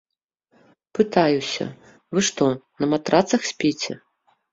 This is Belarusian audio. Пытаюся, вы што, на матрацах спіце?